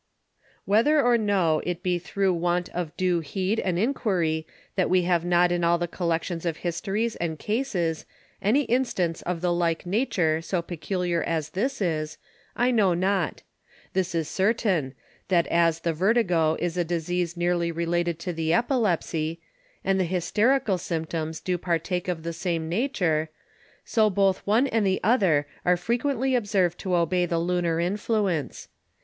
Whether or no it be thro' want of due Heed and Enquiry that we have not in all the Collections of Histories and Cases, any Instance of the like Nature so particular as this is, I know not; this is certain, that as the Vertigo is a Disease nearly related to the Epilepsy, and the Hysterical Symptoms do partake of the same Nature; so both one and the other are frequently observed to obey the Lunar Influence.